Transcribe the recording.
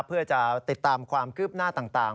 เพื่อจะติดตามความคืบหน้าต่าง